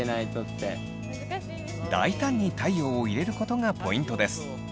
大胆に太陽を入れることがポイントです。